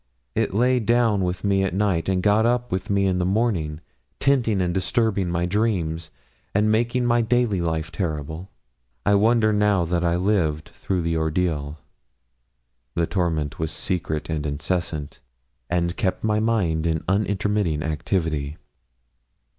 It lay down with me at night and got up with me in the morning, tinting and disturbing my dreams, and making my daily life terrible. I wonder now that I lived through the ordeal. The torment was secret and incessant, and kept my mind in unintermitting activity.